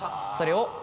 それを。